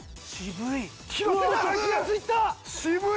渋い。